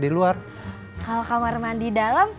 ibu ini kisah b kullania